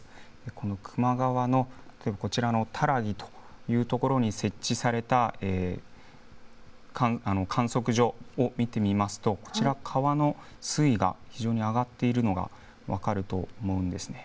この球磨川の例えば、こちらの多良木というところに設置された観測所を見てみますと、こちら、川の水位が非常に上がっているのが分かると思うんですね。